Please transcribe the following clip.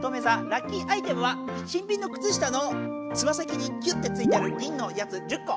ラッキーアイテムは新ぴんのくつ下のつま先にぎゅってついてるぎんのやつ１０個。